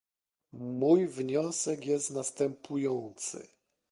Mój wniosek jest następujący